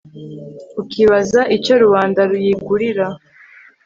ukibaza icyo rubanda ruyigurira